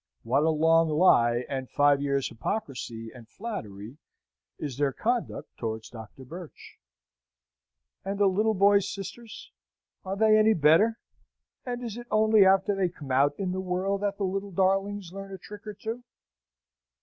what a long lie and five years' hypocrisy and flattery is their conduct towards Dr. Birch! And the little boys' sisters? Are they any better, and is it only after they come out in the world that the little darlings learn a trick or two?